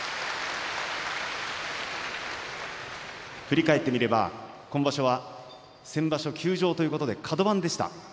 振り返ってみれば今場所は先場所は休場ということでカド番でした。